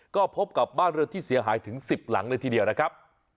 ก็พบกับบ้านเรือนที่เสียหายถึง๑๐หลังเลยทีเดียวนะครับ